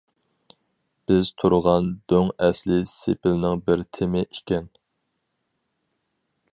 بىز تۇرغان دۆڭ ئەسلى سېپىلنىڭ بىر تېمى ئىكەن.